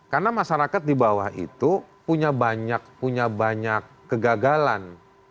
karena masyarakat di bawah itu punya banyak punya banyak kegagalan